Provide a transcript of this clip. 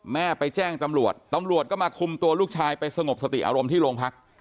แม่ไปแจ้งตำรวจตำรวจก็มาคุมตัวลูกชายไปสงบสติอารมณ์ที่โรงพัก